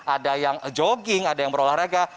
ada yang jogging ada yang berolahraga